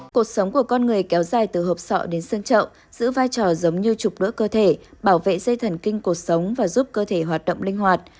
cột sống của con người kéo dài từ hộp sọ đến sân trậu giữ vai trò giống như trục đỡ cơ thể bảo vệ dây thần kinh cột sống và giúp cơ thể hoạt động linh hoạt